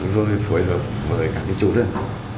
rồi phối hợp với các vị chủ đơn